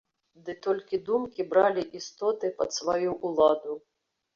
Ды толькі думкі бралі істоты пад сваю ўладу.